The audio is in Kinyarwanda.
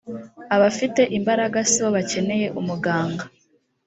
abafite imbaraga si bo bakeneye umuganga